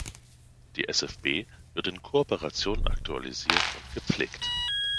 Die SfB wird in Kooperation aktualisiert und gepflegt.